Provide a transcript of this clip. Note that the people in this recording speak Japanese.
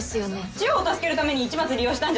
チヨを助けるために市松利用したんじゃないの？